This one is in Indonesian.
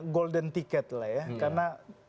golden ticket lah ya karena